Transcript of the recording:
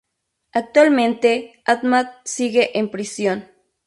Actualmente Ahmad sigue en prisión.